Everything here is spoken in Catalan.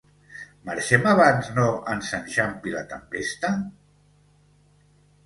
Marxem abans no ens enxampi la tempesta?